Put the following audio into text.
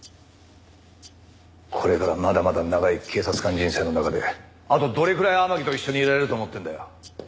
これからまだまだ長い警察官人生の中であとどれくらい天樹と一緒にいられると思ってるんだよ。